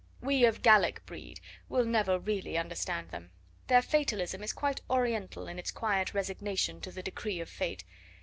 We, of Gallic breed, will never really understand them. Their fatalism is quite Oriental in its quiet resignation to the decree of Fate.